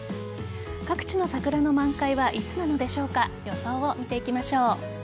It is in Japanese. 各地の桜の満開はいつなのでしょうか予想を見ていきましょう。